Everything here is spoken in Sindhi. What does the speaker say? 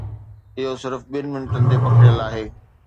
اهو صرف ٻن منٽن تي پکڙيل آهي.